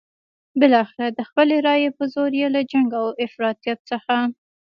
بالاخره د خپلې رايې په زور یې له جنګ او افراطیت څخه.